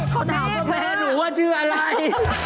เขาถามว่าแพ้หนูว่าชื่ออะไร